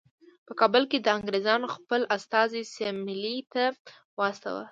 په کابل کې د انګریزانو خپل استازی سیملې ته واستاوه.